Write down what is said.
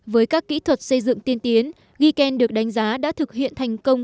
với các kỹ thuật xây dựng tiên tiến giken được đánh giá đã thực hiện thành công